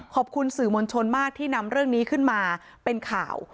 ขอบคุณสื่อมวลชนมากที่นำเรื่องนี้ขึ้นมาเป็นข่าว